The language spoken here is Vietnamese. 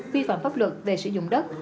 phi phạm pháp luật về sử dụng đất